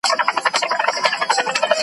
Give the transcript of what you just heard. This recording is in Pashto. چي یوازي وه ککړي یې وهلې .